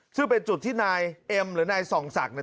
ซึ่งเป็นจุดที่นายเอ็มหรือนายส่องศักดิ์